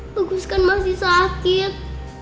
bagus kan masih sakit